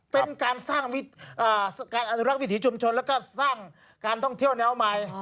เป็นการสร้างวิธีชมชนและก็สร้างการท่องเที่ยวแนวไม้